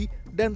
dan tuhan raya